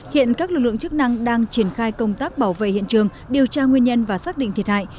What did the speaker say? hiện các lực lượng chức năng đang triển khai công tác bảo vệ hiện trường điều tra nguyên nhân và xác định thiệt hại